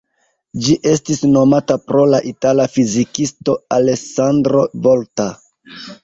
Ĝi estis nomata pro la itala fizikisto Alessandro Volta.